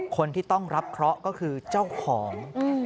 คนที่ต้องรับเคราะห์ก็คือเจ้าของ